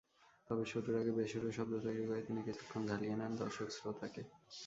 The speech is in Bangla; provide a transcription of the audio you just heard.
তবে শুরুর আগে বেসুরো শব্দ তৈরি করে তিনি কিছুক্ষণ ঝালিয়ে নেন দর্শক-শ্রোতাকে।